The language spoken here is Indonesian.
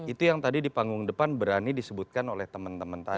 itu yang tadi di panggung depan berani disebutkan oleh teman teman tadi